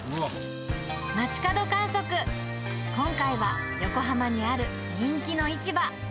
街角観測、今回は、横浜にある人気の市場。